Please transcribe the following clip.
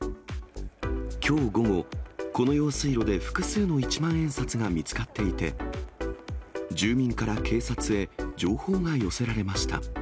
きょう午後、この用水路で複数の一万円札が見つかっていて、住民から警察へ情報が寄せられました。